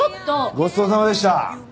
ごちそうさまでした。